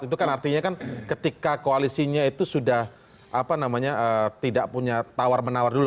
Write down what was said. itu kan artinya kan ketika koalisinya itu sudah tidak punya tawar menawar dulu